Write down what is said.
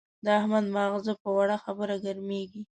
د احمد ماغزه په وړه خبره ګرمېږي.